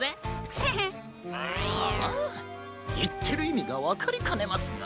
いってるいみがわかりかねますが。